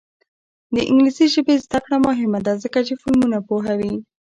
د انګلیسي ژبې زده کړه مهمه ده ځکه چې فلمونه پوهوي.